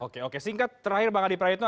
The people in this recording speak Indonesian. oke oke singkat terakhir bang adi praetno